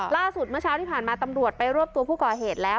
เมื่อเช้าที่ผ่านมาตำรวจไปรวบตัวผู้ก่อเหตุแล้ว